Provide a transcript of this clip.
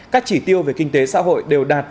các chỉ tiêu về kinh tế xã hội đều đạt